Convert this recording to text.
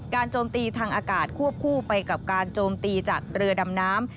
โจมตีทางอากาศควบคู่ไปกับการโจมตีจากเรือดำน้ำ